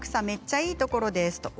めっちゃいいところです